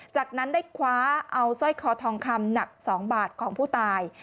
จากนั้นได้คว้าเอาสร้อยคอทองคำหนัก๒บาทของผู้ตาย